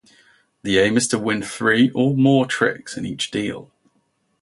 The aim is to win three or more tricks in each deal.